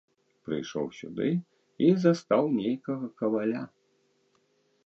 Прыйшоў сюды і застаў нейкага каваля.